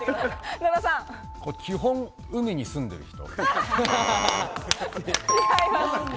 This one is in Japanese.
基本海に住んでる人。